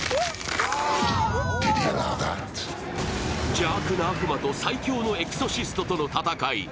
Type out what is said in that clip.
邪悪な悪魔と最強のエクソシストとの戦い。